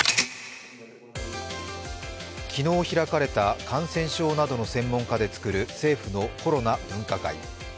昨日、開かれた感染症などの専門家が集まる政府のコロナ分科会。